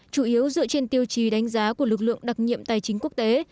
chủ yếu dựa trên tiêu chí đánh giá của lực lượng đặc nhiệm tài chính quốc tế